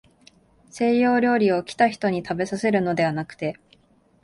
西洋料理を、来た人にたべさせるのではなくて、